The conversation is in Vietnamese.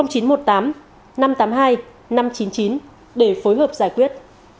để phối hợp giải quyết